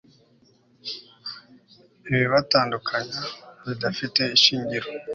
ibibatandukanya bidafite ishingiro